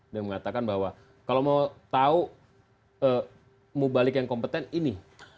dan mengatakan bahwa kalau mau tahu mau balik yang kompeten ini